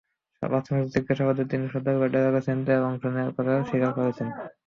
প্রাথমিক জিজ্ঞাসাবাদে তিনি সদরঘাট এলাকায় ছিনতাইয়ে অংশ নেওয়ার কথা স্বীকার করেছেন।